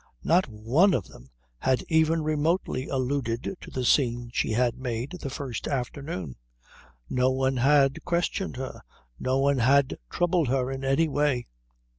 Not one of them had even remotely alluded to the scene she had made the first afternoon. No one had questioned her, no one had troubled her in any way.